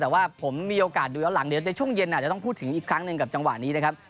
แต่ว่าผมมีโอกาสดูย้อนหลังเดี๋ยวในช่วงเย็นอาจจะต้องพูดถึงอีกครั้งหนึ่งกับจังหวะนี้นะครับ